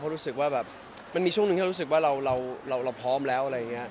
เพราะมีช่วงหนึ่งเจอกับว่าเราพร้อมแล้ว